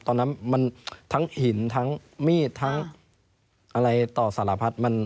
ตอนนั้นมันทั้งหินทั้งมีดทั้งอะไรต่อสารพัด